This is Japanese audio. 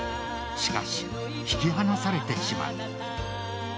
しかし、引き離されてしまう。